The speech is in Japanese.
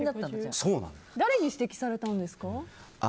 誰に指摘されたんですか。